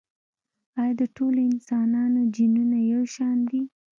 ایا د ټولو انسانانو جینونه یو شان دي؟